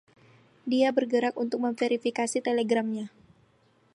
Dia bergerak untuk memverifikasi telegramnya.